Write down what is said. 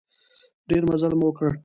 ډېر مزل مو وکړ.